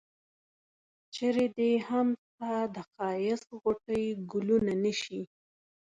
چرې دي هم ستا د ښایست غوټۍ ګلونه نه شي.